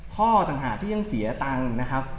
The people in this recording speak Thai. พ่อสารหาดยังเสียเงิน